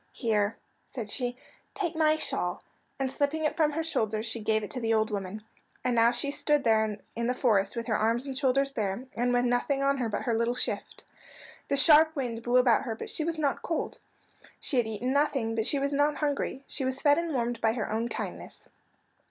"Here," said she, "take my shawl"; and slipping it from her shoulders she gave it to the old woman. And now she stood there in the forest with her arms and shoulders bare, and with nothing on her but her little shift. The sharp wind blew about her, but she was not cold. She had eaten nothing, but she was not hungry. She was fed and warmed by her own kindness.